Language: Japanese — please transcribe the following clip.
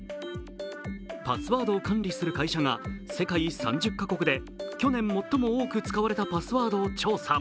パスワードを管理する会社が世界３０か国で去年最も多く使われたパスワードを調査。